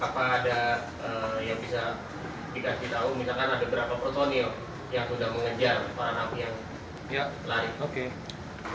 yang sudah mengejar para nabi yang lari